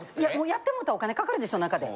やってもうたらお金かかるでしょ中で。